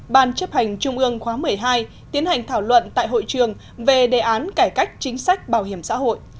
ban chấp hành trung ương khóa một mươi hai tiến hành thảo luận tại hội trường về đề án cải cách chính sách bảo hiểm xã hội